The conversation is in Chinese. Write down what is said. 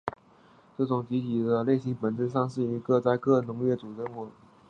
这种集体的类型本质上是一个在各农业主在农业活动共同参与的农业生产合作社。